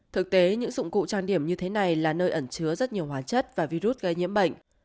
thực tế những dụng cụ trang điểm như thế này là nơi ẩn chứa rất nhiều hóa chất và virus gây nhiễm bệnh